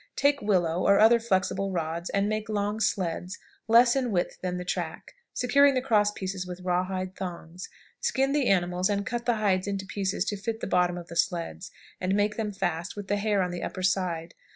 Take willow, or other flexible rods, and make long sleds, less in width than the track, securing the cross pieces with rawhide thongs. Skin the animals, and cut the hides into pieces to fit the bottom of the sleds, and make them fast, with the hair on the upper side.